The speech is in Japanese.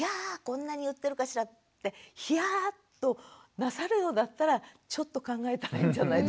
こんなに言ってるかしらってヒャーッとなさるようだったらちょっと考えたらいいんじゃないですか。